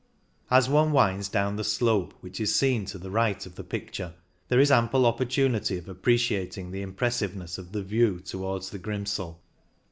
As one winds down the slope which is seen to the right of the picture there is ample opportunity of appreciating the impressiveness of the view towards the Grimsel.